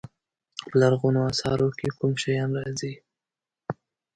په لرغونو اثارو کې کوم شیان راځي.